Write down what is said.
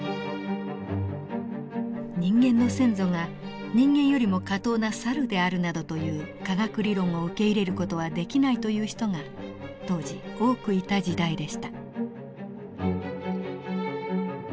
人間の先祖が人間よりも下等なサルであるなどという科学理論を受け入れる事はできないという人が当時多くいた時代でした。